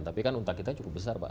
tapi kan unta kita cukup besar pak